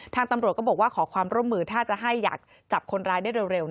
ทางตำรวจก็บอกว่าขอความร่วมมือถ้าจะให้อยากจับคนร้ายได้เร็ว